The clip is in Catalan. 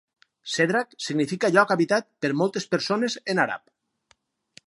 "Sedrak" significa lloc habitat per moltes persones en àrab.